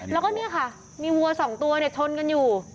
แล้วก็เนี่ยค่ะมีวัว๒ตัวชนกันอยู่